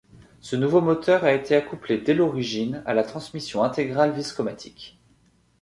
Ce nouveau moteur a été accouplé dès l'origine à la transmission intégrale Viscomatic.